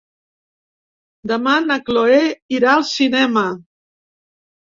Demà na Cloè irà al cinema.